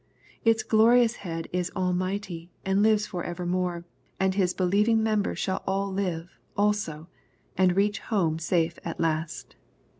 Its glorious Head is almighty, and lives for evermore, and His believing members shall all live, also, and reach home safe at last.